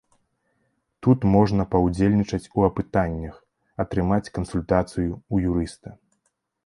Тут можна паўдзельнічаць у апытаннях, атрымаць кансультацыю ў юрыста.